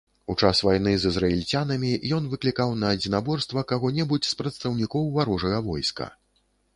У час вайны з ізраільцянамі ён выклікаў на адзінаборства каго-небудзь з прадстаўнікоў варожага войска.